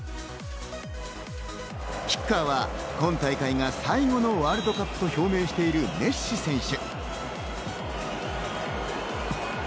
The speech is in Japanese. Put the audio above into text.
キッカーは今大会が最後のワールドカップと表明しているメッシ選手。